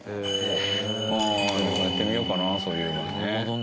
やってみようかなそういうのもね。